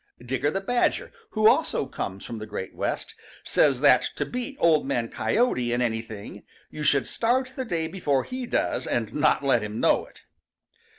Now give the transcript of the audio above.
Digger the Badger, who also comes from the Great West, says that to beat Old Man Coyote in anything, you should start the day before he does and not let him know it.